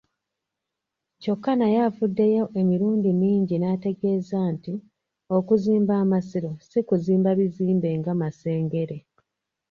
Kyokka naye avuddeyo emirundi mingi n'ategeeza nti okuzimba Amasiro si kuzimba bizimbe nga Masengere.